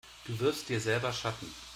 Du wirfst dir selber Schatten.